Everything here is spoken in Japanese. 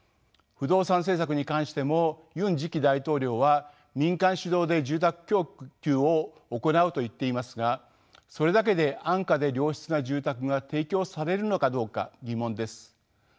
不動産政策に関してもユン次期大統領は民間主導で住宅供給を行うと言っていますがそれだけで安価で良質な住宅が提供されるのかどうか疑問です。